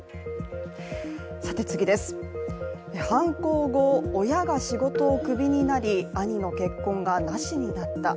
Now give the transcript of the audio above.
犯行後親が仕事をクビになり兄の結婚がなしになった。